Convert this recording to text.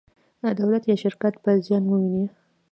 دولت یا شرکت به زیان وویني.